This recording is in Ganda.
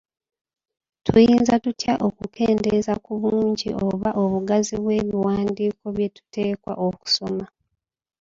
Tuyinza tutya okukendeeza ku bungi oba obugazi bw’ebiwandiiko bye tuteekwa okusoma?